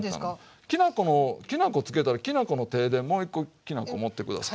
きな粉つけたらきな粉の手でもう一コきな粉もって下さい。